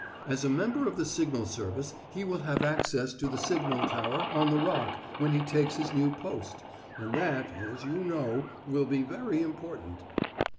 As a member of the signal service he will have access to the signal tower on the Rock when he takes his new post, and that, as you know, will be very important."